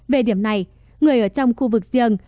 về điểm này người ở trong khu vực riêng